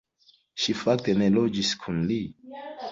Ŝi fakte ne loĝis kun li.